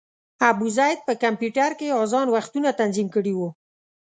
ابوزید په کمپیوټر کې اذان وختونه تنظیم کړي وو.